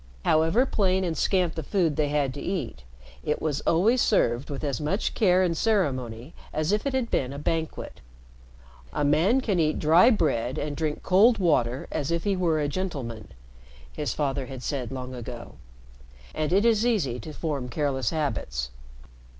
However plain and scant the food they had to eat, it was always served with as much care and ceremony as if it had been a banquet. "A man can eat dry bread and drink cold water as if he were a gentleman," his father had said long ago. "And it is easy to form careless habits.